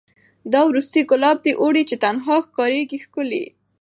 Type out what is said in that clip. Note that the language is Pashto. دا وروستی ګلاب د اوړي چي تنها ښکاریږي ښکلی